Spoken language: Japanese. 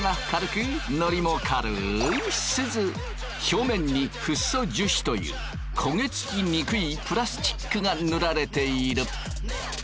表面にフッ素樹脂という焦げつきにくいプラスチックが塗られている。